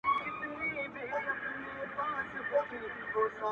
• بې خبره د ښاریانو له دامونو -